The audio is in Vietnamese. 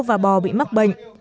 và bò bị mắc bệnh